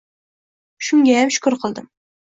Shungayam shukr qildim